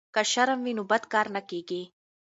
که شرم وي نو بد کار نه کیږي.